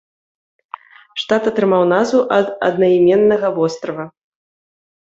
Штат атрымаў назву ад аднайменнага вострава.